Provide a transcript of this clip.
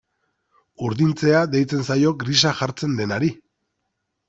Urdintzea deitzen zaio grisa jartzen denari.